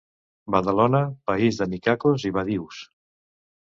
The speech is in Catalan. Badalona, país de micacos i badius.